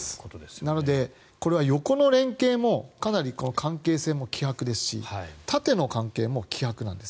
なので、これは横の連携もかなり関係性も希薄ですし縦の関係も希薄なんです。